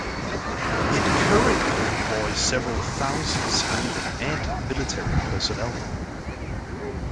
It currently employs several thousand civilian and military personnel.